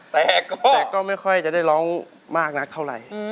แต่ก็ไม่ค่อยจะได้ร้องมากนักเท่าไหร่